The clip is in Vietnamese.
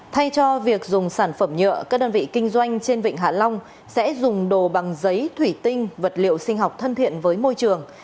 thay cho việc dùng sản phẩm nhựa các đơn vị kinh doanh trên vịnh hạ long sẽ dùng đồ bằng giấy thủy tinh vật liệu sinh học thân thiện với môi trường